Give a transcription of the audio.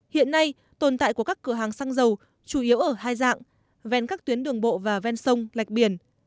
hiện nay tồn tại của các cửa hàng xăng dầu chủ yếu ở hai dạng ven các tuyến đường bộ và ven sông lạch biển